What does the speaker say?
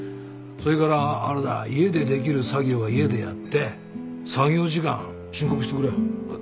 それからあれだ家でできる作業は家でやって作業時間申告してくれよ。